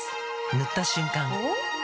塗った瞬間おっ？